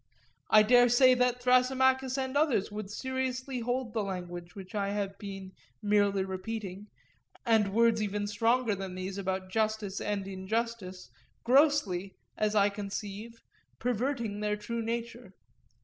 I dare say that Thrasymachus and others would seriously hold the language which I have been merely repeating, and words even stronger than these about justice and injustice, grossly, as I conceive, perverting their true nature.